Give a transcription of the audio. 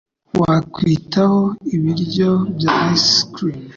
Wakwitaho ibiryo bya ice cream?